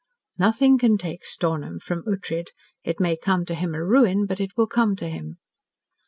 "Nothing can take Stornham from Ughtred. It may come to him a ruin, but it will come to him."